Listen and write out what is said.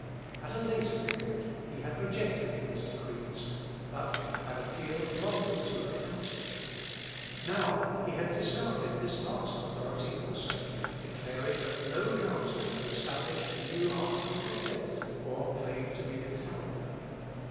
At a later period he had rejected these decrees, but had appealed from them to a council. Now he had discarded this last authority also, declaring that no council can establish a new article of faith, or claim to be infallible.